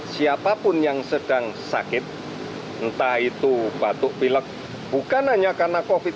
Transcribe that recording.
siapapun yang sedang sakit entah itu batuk pilek bukan hanya karena covid sembilan belas